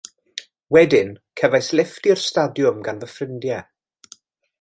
Wedyn, cefais lifft i'r stadiwm gan fy ffrindiau.